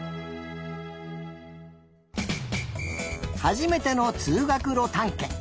はじめてのつうがくろたんけん。